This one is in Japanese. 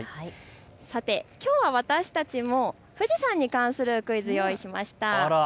さて、きょうは私たちも富士山に関するクイズを用意しました。